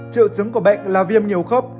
triệu chứng của bệnh là viêm nhiều khớp